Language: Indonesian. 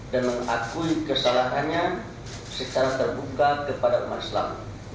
dan mengakui kesalahannya secara terbuka kepada maslam